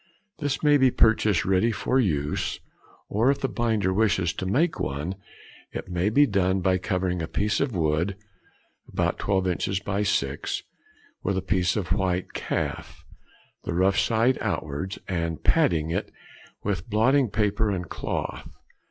_—This may be purchased ready for use, or if the binder wishes to make one, it may be done by covering a piece of wood, about 12 inches by 6, with a piece of white calf, the rough side outwards, and padding it with blotting paper and cloth.